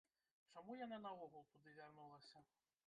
Чаму яна наогул туды вярнулася?